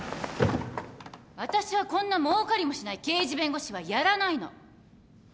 私はこんなもうかりもしない刑事弁護士はやらないの